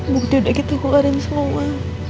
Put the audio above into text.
bukti udah gitu keluarin semua